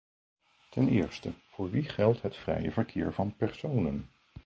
Ten eerste, voor wie geldt het vrije verkeer van personen?